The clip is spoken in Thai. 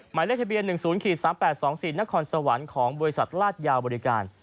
หมายเลขทะเบียน๑๐๓๘๒๔นครสวรรค์ของบริษัทลาดยาวบริการ